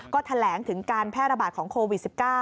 ก็แถลงถึงการแพร่ระบาดของโควิด๑๙